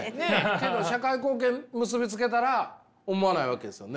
けど社会貢献結び付けたら思わないわけですよね。